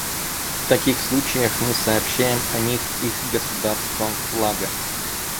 В таких случаях мы сообщаем о них их государствам флага.